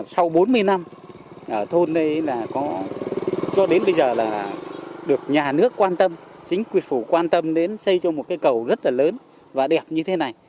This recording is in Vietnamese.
sau bốn mươi năm ở thôn đây là cho đến bây giờ là được nhà nước quan tâm chính quyền phủ quan tâm đến xây cho một cây cầu rất là lớn và đẹp như thế này